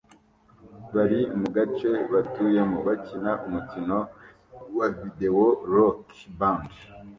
bari mu gace batuyemo bakina umukino wa videwo "Rock Band"